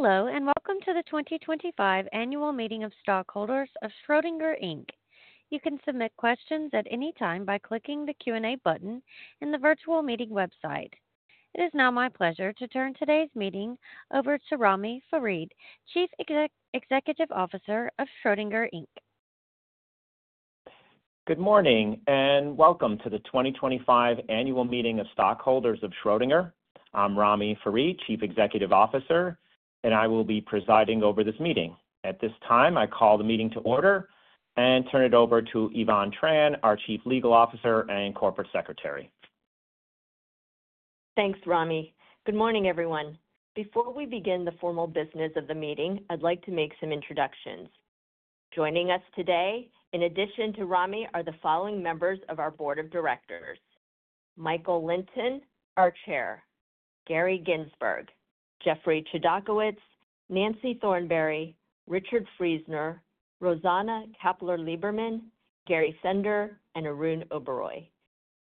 Hello, and welcome to the 2025 Annual Meeting of Stockholders of Schrödinger. You can submit questions at any time by clicking the Q&A button in the virtual meeting website. It is now my pleasure to turn today's meeting over to Ramy Farid, Chief Executive Officer of Schrödinger. Good morning, and welcome to the 2025 Annual Meeting of Stockholders of Schrödinger. I'm Ramy Farid, Chief Executive Officer, and I will be presiding over this meeting. At this time, I call the meeting to order and turn it over to Yvonne Tran, our Chief Legal Officer and Corporate Secretary. Thanks, Ramy. Good morning, everyone. Before we begin the formal business of the meeting, I'd like to make some introductions. Joining us today, in addition to Ramy, are the following members of our Board of Directors: Michael Lynton, our Chair, Gary Ginsberg, Jeffrey Chodakewitz, Nancy Thornberry, Richard Friesner, Rosana Kapeller-Libermann, Gary Sender, and Arun Oberoi.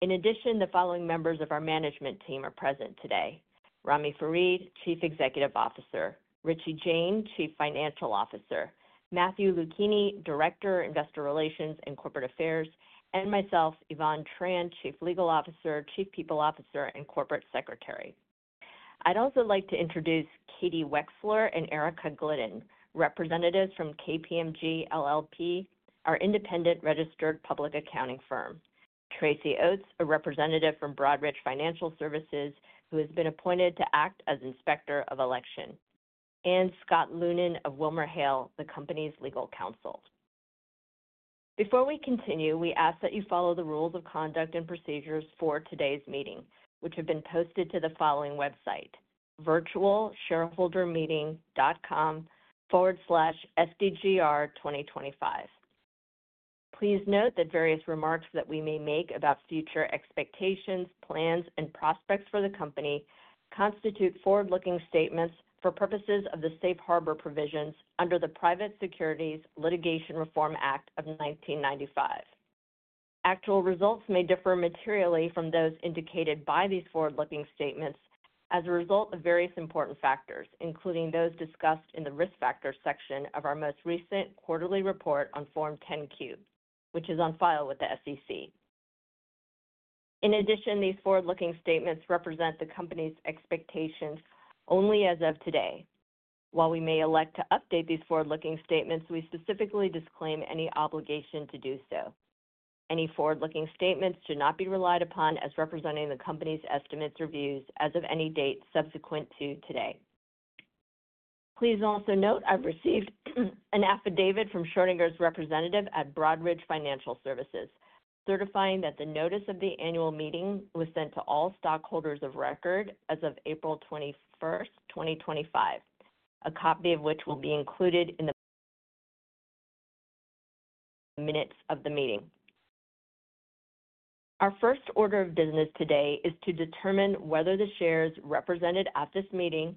In addition, the following members of our management team are present today: Ramy Farid, Chief Executive Officer, Richie Jain, Chief Financial Officer, Matthew Luchini, Director, Investor Relations and Corporate Affairs, and myself, Yvonne Tran, Chief Legal Officer, Chief People Officer, and Corporate Secretary. I'd also like to introduce Katie Wechsler and Erika Glidden, representatives from KPMG LLP, our independent registered public accounting firm, Tracy Oats, a representative from Broadridge Financial Services who has been appointed to act as Inspector of Election, and Scott Lunin of WilmerHale, the company's legal counsel. Before we continue, we ask that you follow the rules of conduct and procedures for today's meeting, which have been posted to the following website: virtualshareholdermeeting.com/sdgr2025. Please note that various remarks that we may make about future expectations, plans, and prospects for the company constitute forward-looking statements for purposes of the Safe Harbor Provisions under the Private Securities Litigation Reform Act of 1995. Actual results may differ materially from those indicated by these forward-looking statements as a result of various important factors, including those discussed in the risk factor section of our most recent quarterly report on Form 10-Q, which is on file with the SEC. In addition, these forward-looking statements represent the company's expectations only as of today. While we may elect to update these forward-looking statements, we specifically disclaim any obligation to do so. Any forward-looking statements should not be relied upon as representing the company's estimates or views as of any date subsequent to today. Please also note I've received an affidavit from Schrödinger's representative at Broadridge Financial Services certifying that the notice of the annual meeting was sent to all stockholders of record as of April 21, 2025, a copy of which will be included in the minutes of the meeting. Our first order of business today is to determine whether the shares represented at this meeting,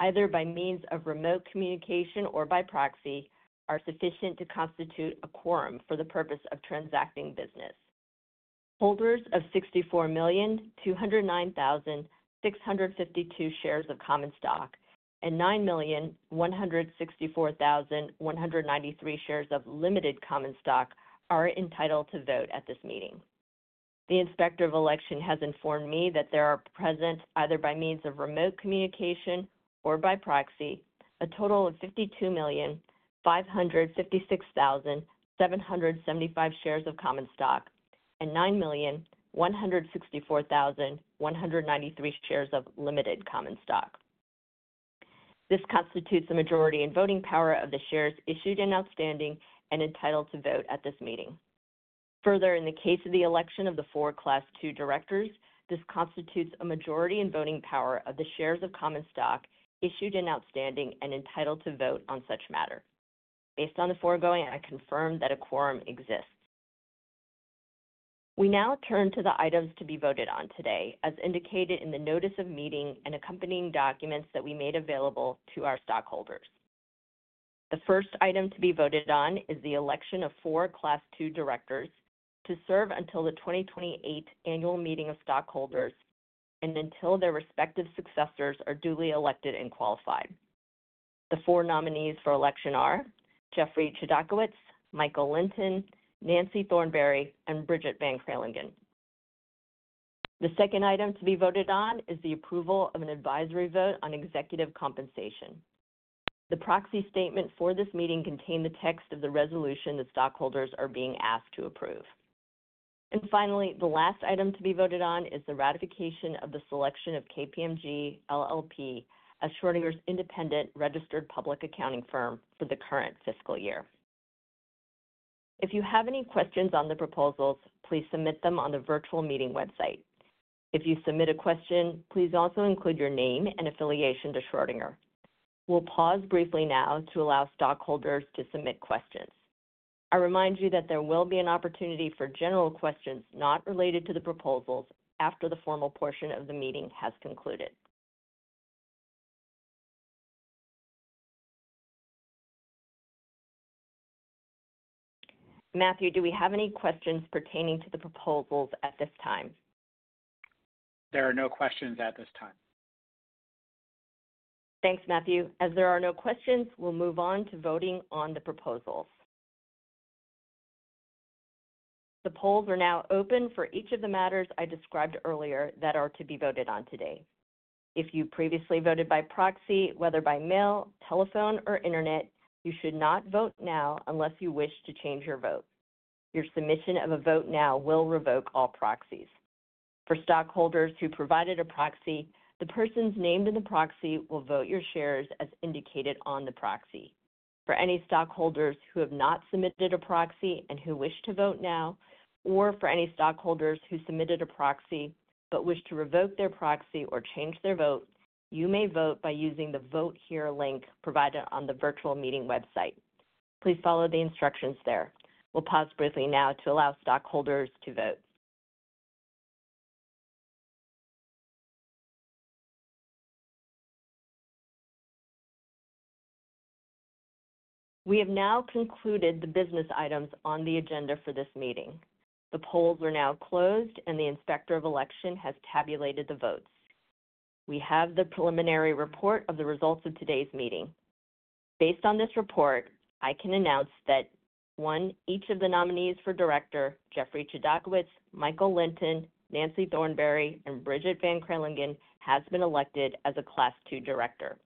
either by means of remote communication or by proxy, are sufficient to constitute a quorum for the purpose of transacting business. Holders of 64,209,652 shares of common stock and 9,164,193 shares of limited common stock are entitled to vote at this meeting. The Inspector of Election has informed me that there are present, either by means of remote communication or by proxy, a total of 52,556,775 shares of common stock and 9,164,193 shares of limited common stock. This constitutes a majority in voting power of the shares issued and outstanding and entitled to vote at this meeting. Further, in the case of the election of the four Class II directors, this constitutes a majority in voting power of the shares of common stock issued and outstanding and entitled to vote on such matter. Based on the foregoing, I confirm that a quorum exists. We now turn to the items to be voted on today, as indicated in the notice of meeting and accompanying documents that we made available to our stockholders. The first item to be voted on is the election of four Class II directors to serve until the 2028 Annual Meeting of Stockholders and until their respective successors are duly elected and qualified. The four nominees for election are Jeffrey Chodakewitz, Michael Lynton, Nancy Thornberry, and Bridget Van Kragen. The second item to be voted on is the approval of an advisory vote on executive compensation. The proxy statement for this meeting contains the text of the resolution the stockholders are being asked to approve. Finally, the last item to be voted on is the ratification of the selection of KPMG LLP as Schrödinger's independent registered public accounting firm for the current fiscal year. If you have any questions on the proposals, please submit them on the virtual meeting website. If you submit a question, please also include your name and affiliation to Schrödinger. We'll pause briefly now to allow stockholders to submit questions. I remind you that there will be an opportunity for general questions not related to the proposals after the formal portion of the meeting has concluded. Matthew, do we have any questions pertaining to the proposals at this time? There are no questions at this time. Thanks, Matthew. As there are no questions, we'll move on to voting on the proposals. The polls are now open for each of the matters I described earlier that are to be voted on today. If you previously voted by proxy, whether by mail, telephone, or internet, you should not vote now unless you wish to change your vote. Your submission of a vote now will revoke all proxies. For stockholders who provided a proxy, the persons named in the proxy will vote your shares as indicated on the proxy. For any stockholders who have not submitted a proxy and who wish to vote now, or for any stockholders who submitted a proxy but wish to revoke their proxy or change their vote, you may vote by using the Vote Here link provided on the virtual meeting website. Please follow the instructions there. We'll pause briefly now to allow stockholders to vote. We have now concluded the business items on the agenda for this meeting. The polls are now closed, and the Inspector of Election has tabulated the votes. We have the preliminary report of the results of today's meeting. Based on this report, I can announce that: one, each of the nominees for Director, Jeffrey Chodakewitz, Michael Lynton, Nancy Thornberry, and Bridget Van Kragen, has been elected as a Class II director.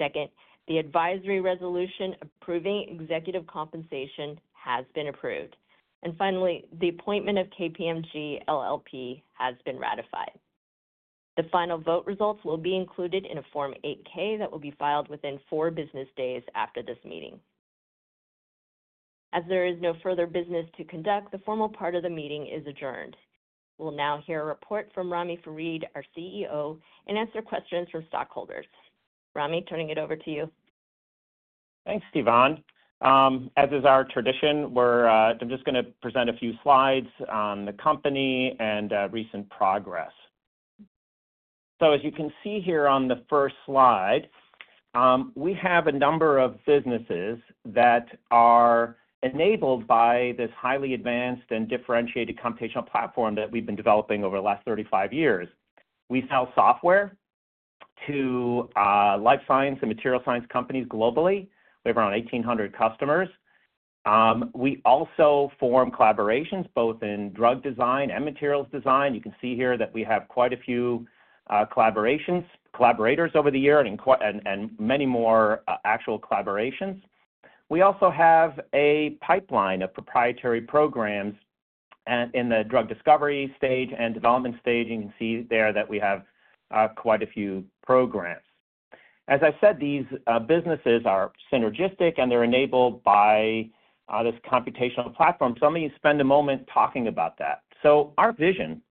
Second, the advisory resolution approving executive compensation has been approved. Finally, the appointment of KPMG LLP has been ratified. The final vote results will be included in a Form 8-K that will be filed within four business days after this meeting. As there is no further business to conduct, the formal part of the meeting is adjourned. We'll now hear a report from Ramy Farid, our CEO, and answer questions from stockholders. Ramy, turning it over to you. Thanks, Yvonne. As is our tradition, we're just going to present a few slides on the company and recent progress. As you can see here on the first slide, we have a number of businesses that are enabled by this highly advanced and differentiated computational platform that we've been developing over the last 35 years. We sell software to life science and materials science companies globally. We have around 1,800 customers. We also form collaborations both in drug design and materials design. You can see here that we have quite a few collaborators over the year and many more actual collaborations. We also have a pipeline of proprietary programs in the drug discovery stage and development stage. You can see there that we have quite a few programs. As I said, these businesses are synergistic, and they're enabled by this computational platform. Some of you spend a moment talking about that. Our vision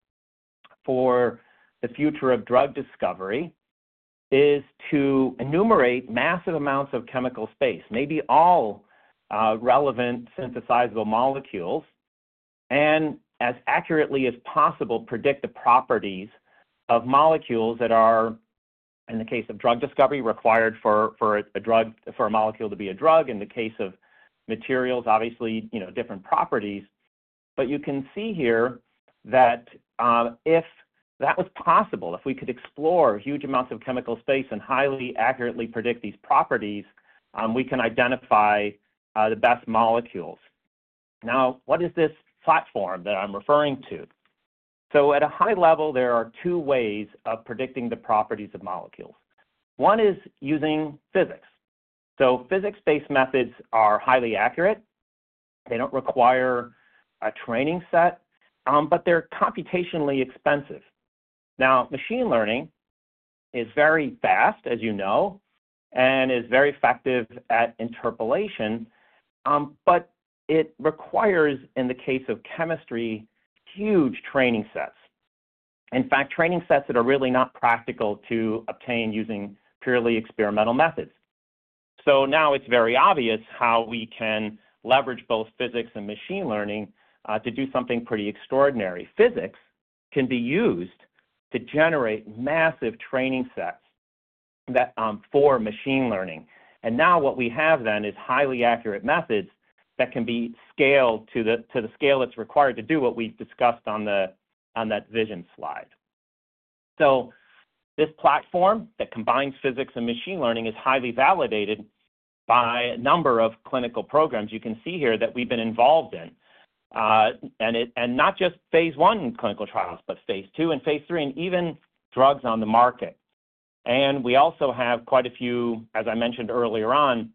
for the future of drug discovery is to enumerate massive amounts of chemical space, maybe all relevant synthesizable molecules, and as accurately as possible predict the properties of molecules that are, in the case of drug discovery, required for a drug for a molecule to be a drug. In the case of materials, obviously, you know, different properties. You can see here that if that was possible, if we could explore huge amounts of chemical space and highly accurately predict these properties, we can identify the best molecules. Now, what is this platform that I'm referring to? At a high level, there are two ways of predicting the properties of molecules. One is using physics. Physics-based methods are highly accurate. They do not require a training set, but they are computationally expensive. Now, machine learning is very fast, as you know, and is very effective at interpolation, but it requires, in the case of chemistry, huge training sets. In fact, training sets that are really not practical to obtain using purely experimental methods. Now it's very obvious how we can leverage both physics and machine learning to do something pretty extraordinary. Physics can be used to generate massive training sets for machine learning. Now what we have then is highly accurate methods that can be scaled to the scale that's required to do what we've discussed on that vision slide. This platform that combines physics and machine learning is highly validated by a number of clinical programs you can see here that we've been involved in, and not just phase one in clinical trials, but phase two and phase three and even drugs on the market. We also have quite a few, as I mentioned earlier on,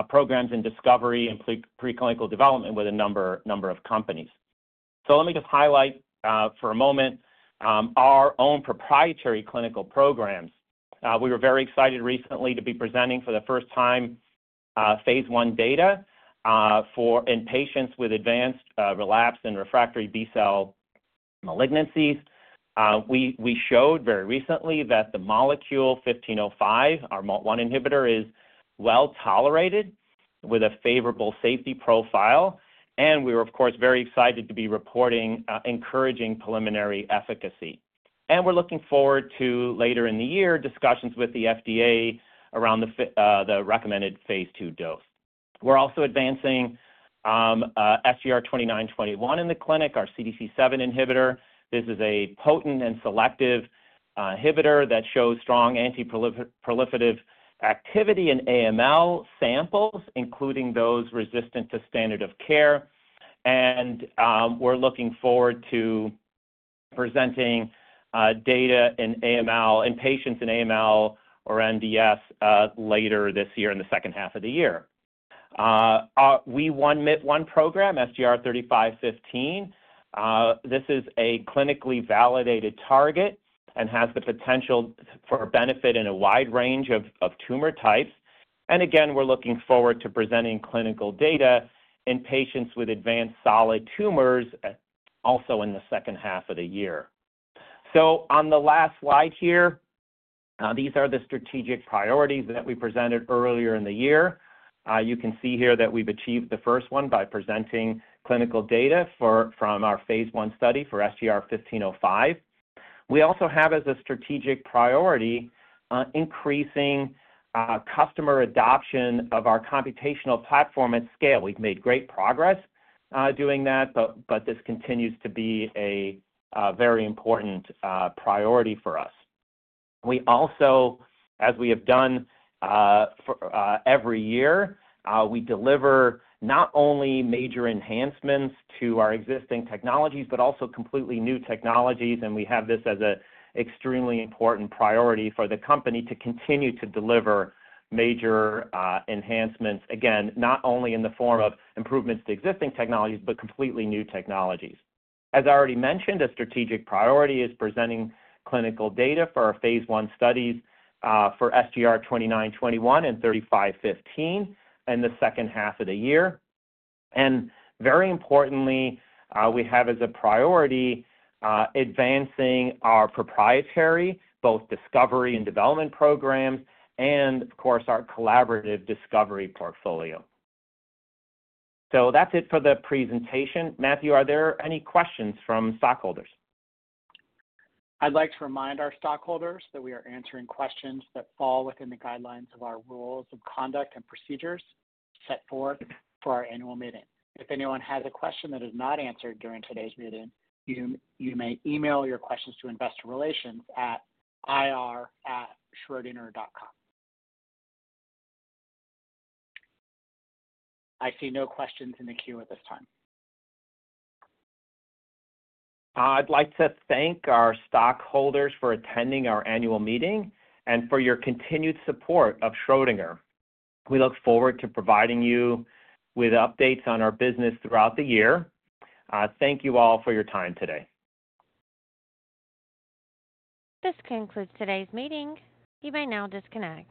programs in discovery and preclinical development with a number of companies. Let me just highlight for a moment our own proprietary clinical programs. We were very excited recently to be presenting for the first time phase I data in patients with advanced relapse and refractory B-cell malignancies. We showed very recently that the molecule 1505, our MALT-1 inhibitor, is well tolerated with a favorable safety profile. We were, of course, very excited to be reporting encouraging preliminary efficacy. We're looking forward to, later in the year, discussions with the FDA around the recommended phase II dose. We're also advancing SGR-2921 in the clinic, our CDC-7 inhibitor. This is a potent and selective inhibitor that shows strong anti-proliferative activity in AML samples, including those resistant to standard of care. We're looking forward to presenting data in AML in patients in AML or MDS later this year in the second half of the year. We have our MALT-1 program, SGR-3515. This is a clinically validated target and has the potential for benefit in a wide range of tumor types. We're looking forward to presenting clinical data in patients with advanced solid tumors also in the second half of the year. On the last slide here, these are the strategic priorities that we presented earlier in the year. You can see here that we've achieved the first one by presenting clinical data from our phase I study for SGR-1505. We also have, as a strategic priority, increasing customer adoption of our computational platform at scale. We've made great progress doing that, but this continues to be a very important priority for us. We also, as we have done every year, deliver not only major enhancements to our existing technologies, but also completely new technologies. We have this as an extremely important priority for the company to continue to deliver major enhancements, again, not only in the form of improvements to existing technologies, but completely new technologies. As I already mentioned, a strategic priority is presenting clinical data for our phase I studies for SGR-2921 and SGR-3515 in the second half of the year. Very importantly, we have as a priority advancing our proprietary both discovery and development programs and, of course, our collaborative discovery portfolio. That is it for the presentation. Matthew, are there any questions from stockholders? I'd like to remind our stockholders that we are answering questions that fall within the guidelines of our rules of conduct and procedures set forth for our annual meeting. If anyone has a question that is not answered during today's meeting, you may email your questions to investor relations at ir@schrodinger.com. I see no questions in the queue at this time. I'd like to thank our stockholders for attending our annual meeting and for your continued support of Schrödinger. We look forward to providing you with updates on our business throughout the year. Thank you all for your time today. This concludes today's meeting. You may now disconnect.